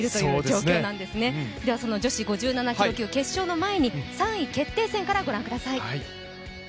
その女子５７キロ級決勝の前に３位決定戦からご覧ください。